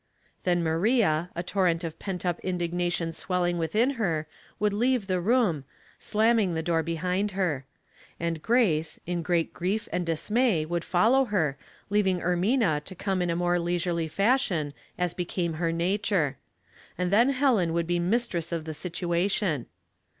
Then Maria, a torrent of pent up indignation swelling within her, would leave the room, 158 Household Puzzles, slamming the door behind her; and Grace, in great grief and dismay, would follow her, leav ing Ermina to come in a more leisurely fashion, as became her nature ; and then Helen would be mistress of the situation.